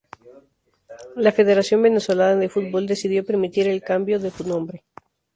La Federación Venezolana de Fútbol decidió permitir el cambio de nombre.